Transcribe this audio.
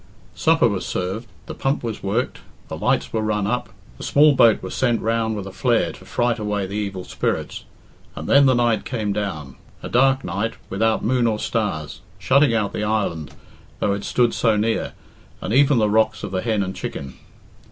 Supper was served, the pump was worked, the lights were run up, the small boat was sent round with a flare to fright away the evil spirits, and then the night came down a dark night, without moon or stars, shutting out the island, though it stood so near, and even the rocks of the Hen and Chicken.